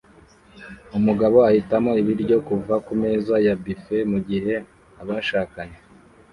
Umugabo ahitamo ibiryo kuva kumeza ya buffet mugihe abashakanye